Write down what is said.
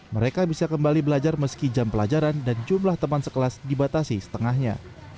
mereka bisa kembali belajar meski jam pelajaran dan jumlah teman sekelas dibatasi setengahnya